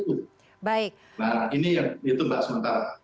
nah ini yang ditembak sementara